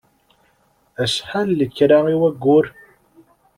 Acḥal lekra i wayyur?